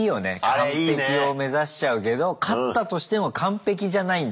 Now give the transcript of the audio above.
完璧を目指しちゃうけど勝ったとしても完璧じゃないんだ。